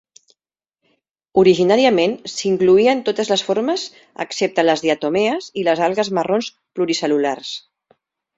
Originàriament s'incloïen totes les formes excepte les diatomees i les algues marrons pluricel·lulars.